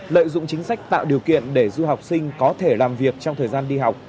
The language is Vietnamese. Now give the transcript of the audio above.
lợi dụng chính sách tạo điều kiện để du học sinh có thể làm việc trong thời gian đi học